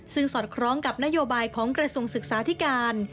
ซึ่งสอดคล้องกับนโยบายของกระทรวงศึกษาธิการ